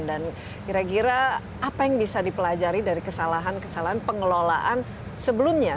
kira kira apa yang bisa dipelajari dari kesalahan kesalahan pengelolaan sebelumnya